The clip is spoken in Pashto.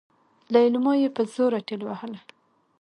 ليلما يې په زوره ټېلوهله.